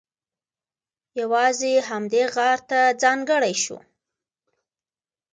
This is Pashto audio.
یوازې همدې غار ته ځانګړی شو.